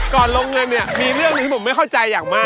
ลงเงินเนี่ยมีเรื่องหนึ่งที่ผมไม่เข้าใจอย่างมาก